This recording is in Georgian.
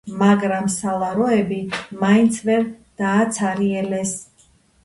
მაგრამ სალაროები მაინც ვერ დააცარიელეს.